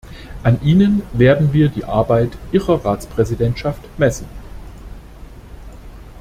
An ihnen werden wir die Arbeit Ihrer Ratspräsidentschaft messen.